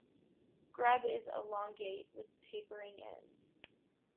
Grub is elongate with tapering ends.